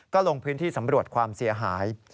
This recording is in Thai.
ก็ลงพื้นที่สำรวจความเสียหาย